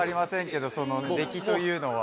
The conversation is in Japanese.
その出来というのは。